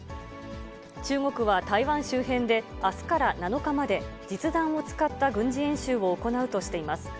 中国は台湾周辺であすから７日まで、実弾を使った軍事演習を行うとしています。